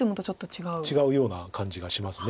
違うような感じがします。